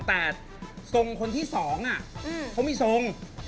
แต่ทรงคนที่สองเขามีทรง